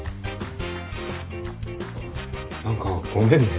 何かごめんね。